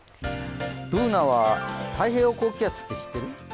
Ｂｏｏｎａは太平洋高気圧って知ってる？